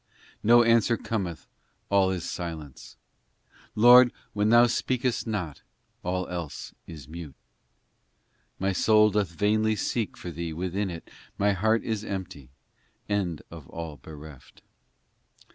no answer cometh all is silence ! Lord, when Thou speakest not, all else is mute ! My soul doth vainly seek for Thee within it, My heart is empty, and of all bereft.